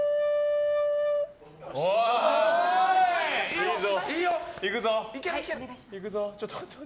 いいぞ！